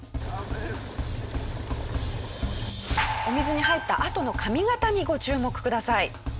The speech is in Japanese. お水に入ったあとの髪形にご注目ください。